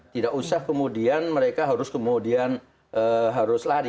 tidak usah kemudian mereka harus kemudian harus lari